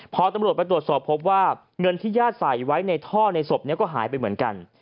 พอตำรวจไปตรวจสอบพบว่าเงินที่ญาติใส่ไว้ในท่อในศพนี้ก็หายไปเหมือนกัน